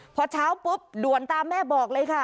พอเช้าปุ๊บด่วนตามแม่บอกเลยค่ะ